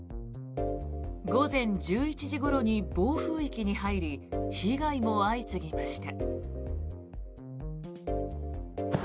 午前１１時ごろに暴風域に入り被害も相次ぎました。